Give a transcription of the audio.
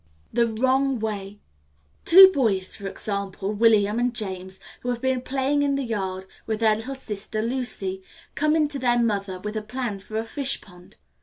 The Wrong Way. Two boys, for example, William and James, who have been playing in the yard with their little sister Lucy, come in to their mother with a plan for a fish pond.